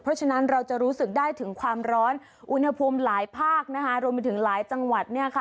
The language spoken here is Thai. เพราะฉะนั้นเราจะรู้สึกได้ถึงความร้อนอุณหภูมิหลายภาคนะคะรวมไปถึงหลายจังหวัดเนี่ยค่ะ